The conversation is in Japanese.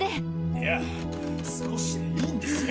いや少しでいいんですよ。